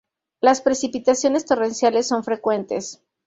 Las precipitaciones torrenciales son frecuentes.